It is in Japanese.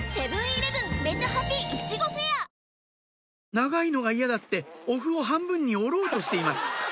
長いのが嫌だってお麩を半分に折ろうとしています